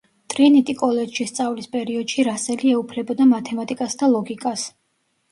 ტრინიტი–კოლეჯში სწავლის პერიოდში რასელი ეუფლებოდა მათემატიკას და ლოგიკას.